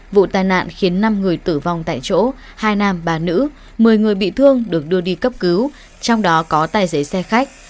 vụ tai nạn khiến năm người tử vong tại chỗ hai nam ba nữ một mươi người bị thương được đưa đi cấp cứu trong đó có tài xế xe khách